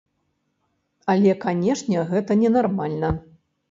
Але канешне гэта ненармальна.